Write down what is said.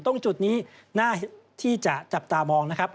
ตรงจุดนี้น่าที่จะจับตามองนะครับ